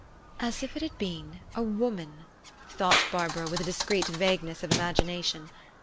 "As if it had been a woman,*' thought Bar bara with a discreet vagueness of imagination.